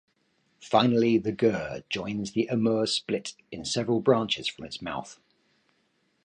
Finally the Gur joins the Amur split in several branches from its mouth.